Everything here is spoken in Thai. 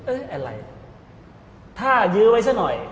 เอ๊ะอะไรถ้ายื้อไว้สักหน่อย